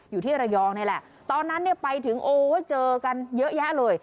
อยู่ที่ระยองนี่แหละตอนนั้นเนี่ยไปถึงโอ้ยเจอกันเยอะแยะเลย